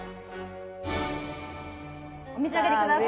お召し上がり下さい。